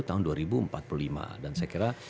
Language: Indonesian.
tahun dua ribu empat puluh lima dan saya kira